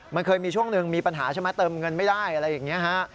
มันเคยมีช่วงหนึ่งมีปัญหาใช่ไหมเติมเงินไม่ได้อะไรอย่างนี้ฮะ